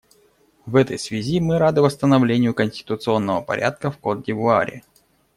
В этой связи мы рады восстановлению конституционного порядка в Котд'Ивуаре.